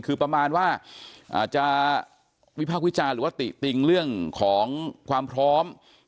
คือประมาณว่าจะวิพากษ์วิจารณ์หรือว่าติติงเรื่องของความพร้อม